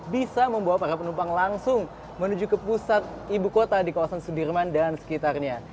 bisa membawa para penumpang langsung menuju ke pusat ibu kota di kawasan sudirman dan sekitarnya